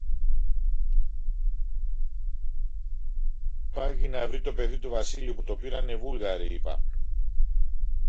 Πάγει να βρει το παιδί του Βασίλη, που το πήραν οι Βούλγαροι, είπα.